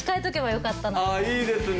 ああいいですね。